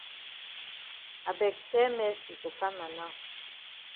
I beg tell Mercy for kam na now.